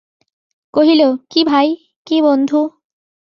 কহিল, কী ভাই, কী বন্ধু!